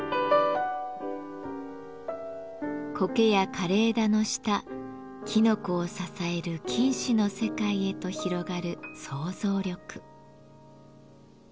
コケや枯れ枝の下きのこを支える菌糸の世界へと広がる想像力。